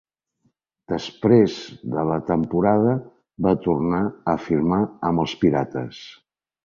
Després de la temporada, va tornar a firmar amb els pirates.